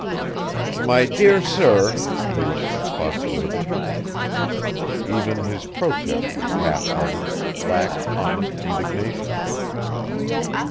"My dear sir," Lewis expostulated. Even his protest was half hearted, lacked honest indignation.